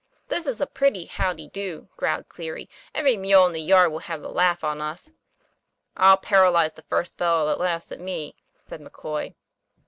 "This is a pretty how de do," growled Cleary. " Every mule in the yard will have the laugh on us." "I'll paralyze the first fellow that laughs at me," said McCoy.